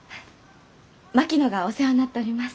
槙野がお世話になっております。